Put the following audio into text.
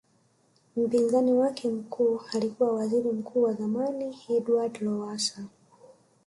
Mpinzani wake mkuu alikuwa Waziri Mkuu wa zamani Edward Lowassa